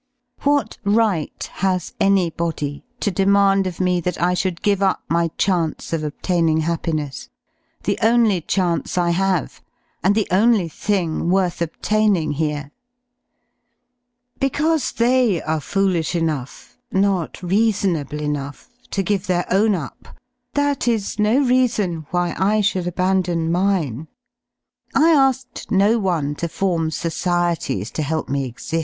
i , What right has anybody to demand of me that I should ) ^j/j' ^ve up my chance of obtaining happiness — the only chance )* rhave^and the only thing worth obtaining hereP Because they are foolish enough — not reasonable enough — to give their own up, that is no reason why I should '^ abandon mine. I asked no one to form societies to help me \ exi^.